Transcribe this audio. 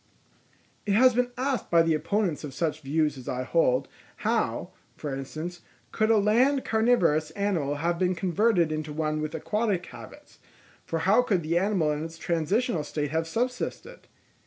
_—It has been asked by the opponents of such views as I hold, how, for instance, could a land carnivorous animal have been converted into one with aquatic habits; for how could the animal in its transitional state have subsisted?